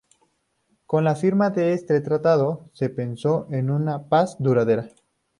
Con la firma de este tratado se pensó en una paz duradera.